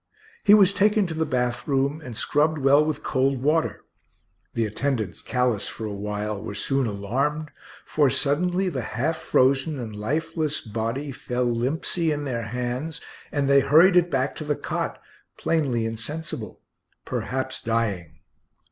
He was taken to the bath room and scrubbed well with cold water. The attendants, callous for a while, were soon alarmed, for suddenly the half frozen and lifeless body fell limpsy in their hands, and they hurried it back to the cot, plainly insensible, perhaps dying.